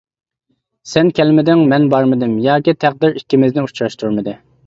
سەن كەلمىدىڭ، مەن بارمىدىم، ياكى تەقدىر ئىككىمىزنى ئۇچراشتۇرمىدى.